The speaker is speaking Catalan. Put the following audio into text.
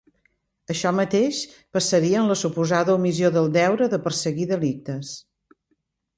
Això mateix passaria en la suposada omissió del deure de perseguir delictes.